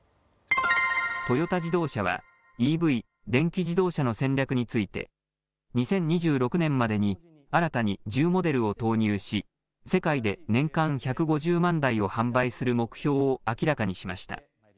トヨタ自動車はＥＶ電気自動車の戦略について２０２６年までに新たに１０モデルを投入し世界で年間１５０万台を販売する目標を明らかにしました。